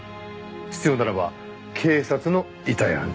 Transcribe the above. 必要ならば警察の遺体安置所。